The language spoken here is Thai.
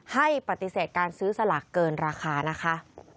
ให้ปฏิเสธการซื้อสลากเกินราคานะคะ